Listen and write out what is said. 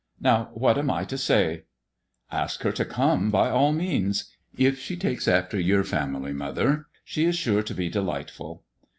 Now, what am I to sayr' "Ask her to come, by all means. If she takes after your family, mother, she is sure to be delightful."